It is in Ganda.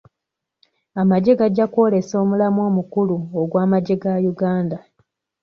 Amagye gajja kwolesa omulamwa omukulu ogw'amagye ga Uganda.